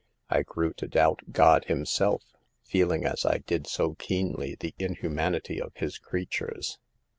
I grew to doubt God Himself, feel ing as I did so keenly the inhumanity of His creatures.